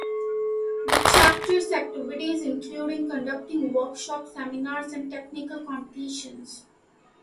The Chapters activities include conducting workshops, seminars and technical competitions.